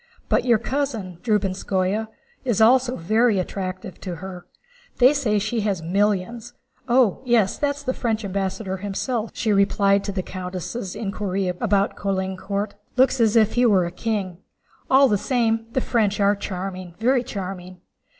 But your cousin, Drubetskóy, is also very attentive to her. They say she has millions. Oh yes, that's the French ambassador himself!" she replied to the countess' inquiry about Caulaincourt. "Looks as if he were a king! All the same, the French are charming, very charming.